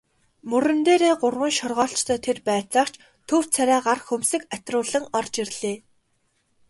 Мөрөн дээрээ гурван шоргоолжтой тэр байцаагч төв царайгаар хөмсөг атируулан орж ирлээ.